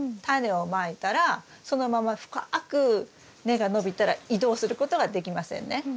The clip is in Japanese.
タネをまいたらそのまま深く根が伸びたら移動することができませんね。